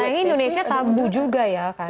sayangnya indonesia tambu juga ya kan